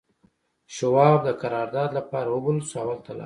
شواب د قرارداد لپاره وبلل شو او هلته لاړ